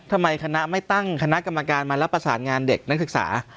ทำไมคณะไม่ตั้งคณะกรรมการมารับประสานงานเด็กนักศึกษา